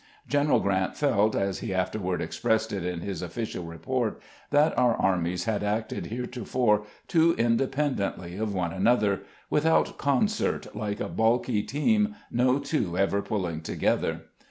G eneral Grrant felt, as he after ward expressed it in his oflBcial report, that our armies had acted heretofore too independently of one another — "without concert, like a balky team, no two ever pulling together."